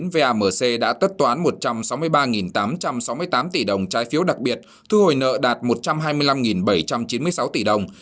vamc đã tất toán một trăm sáu mươi ba tám trăm sáu mươi tám tỷ đồng trái phiếu đặc biệt thu hồi nợ đạt một trăm hai mươi năm bảy trăm chín mươi sáu tỷ đồng